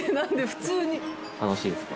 普通に。